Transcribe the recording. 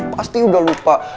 pasti udah lupa